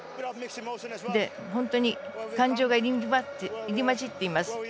本当に感情が入り交じっています。